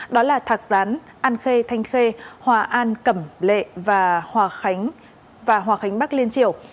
đó là thạc gián an khê thanh khê hòa an cẩm lệ và hòa khánh bắc liên triều